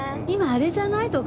今あれじゃない？